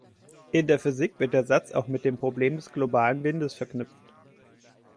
In der Physik wird der Satz auch mit dem Problem des globalen Windes verknüpft.